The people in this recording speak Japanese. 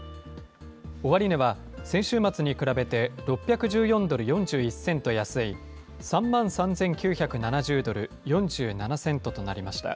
終値は先週末に比べて６１４ドル４１セント安い、３万３９７０ドル４７セントとなりました。